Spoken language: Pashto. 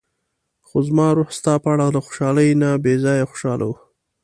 خو زما روح ستا په اړه له خوشحالۍ نه بې ځايه خوشاله و.